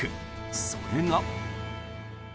それが。